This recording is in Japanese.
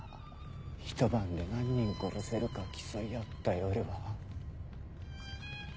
ひと晩で何人殺せるかを競い合った夜は。